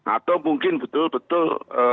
atau mungkin betul betul